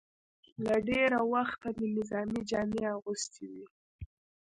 له ډېره وخته مې نظامي جامې اغوستې وې.